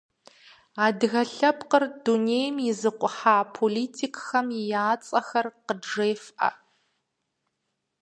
Адыгэ лъэпкъыр дунейм изыкъухьа политикхэм я цӏэхэр къыджефӏэ.